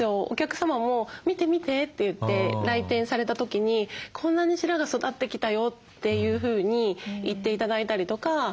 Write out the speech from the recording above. お客様も「見て見て」って言って来店された時に「こんなに白髪育ってきたよ」というふうに言って頂いたりとか。